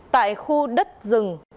tại khu đất rừng